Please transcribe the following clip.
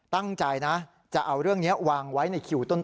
ตั้งใจนะจะเอาเรื่องนี้วางไว้ในคิวต้น